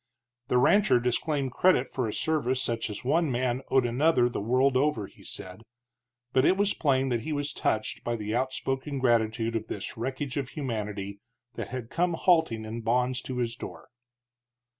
The rancher disclaimed credit for a service such as one man owed another the world over, he said. But it was plain that he was touched by the outspoken gratitude of this wreckage of humanity that had come halting in bonds to his door.